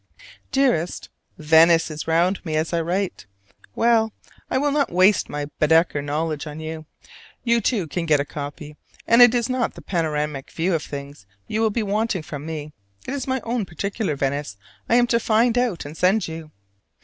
Dearest: Venice is round me as I write! Well, I will not waste my Baedeker knowledge on you, you too can get a copy; and it is not the panoramic view of things you will be wanting from me: it is my own particular Venice I am to find out and send you.